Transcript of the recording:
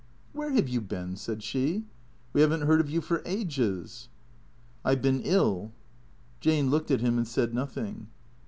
" WTiere have you been ?" said she. " We have n't heard of you for ages." " I 've been ill." Jane looked at him and said nothing.